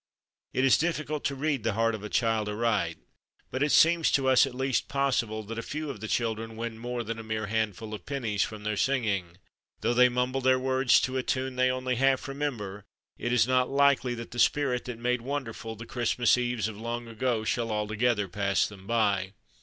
It is difficult to read the heart of a child aright, but it seems to us at least possible that a few of the children win more than a mere handful of pennies from their singing. Though they mumble their words to a tune they only half remember, it is not likely that the spirit that made wonderful the Christmas Eves of long ago shall alto CAROL SINGERS 75 gether pass them by.